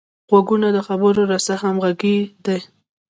غوږونه د خبرو رسه همغږي دي